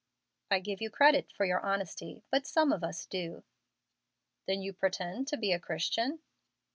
"I give you credit for your honesty, but some of us do." "Then you pretend to be a Christian?"